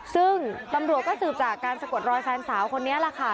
ซึ่งตำรวจก็สืบจากการสะกดรอยแฟนสาวคนนี้แหละค่ะ